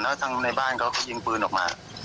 แล้วทางในบ้านเขาก็ยิงปืนออกมา